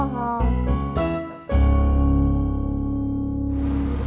masih kurang mulai ya